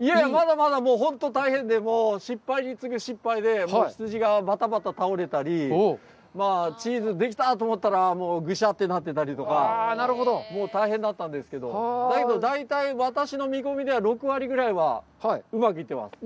いやいや、まだまだ、もう本当に大変で、失敗に次ぐ失敗で、羊がばたばた倒れたり、チーズができたと思ったら、ぐしゃってなってたりとか、もう大変だったんですけど、大体私の見込みでは６割ぐらいはうまくいってます。